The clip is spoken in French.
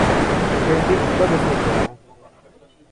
treize rue du Pois de Senteur